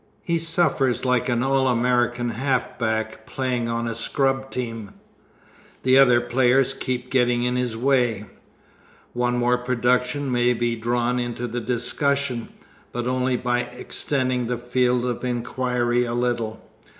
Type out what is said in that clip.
He suffers like an All America halfback playing on a scrub team. The other players keep getting in his way. One more production may be drawn into the discussion, but only by extending the field of inquiry a little.